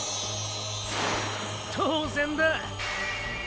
当然だ！